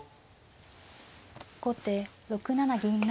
後手６七銀成。